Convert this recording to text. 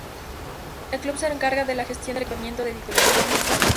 El club se encarga de la gestión del equipamiento, de titularidad municipal.